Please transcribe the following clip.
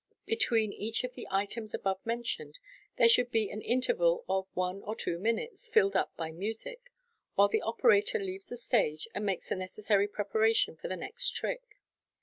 Between each of the items above mentioned, there should be an interval of one or two minutes (filled up by music), while the operator leaves the stage, and makes the necessary preparation for the next trick.